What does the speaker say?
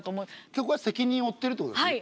そこは責任を負ってるってことですね。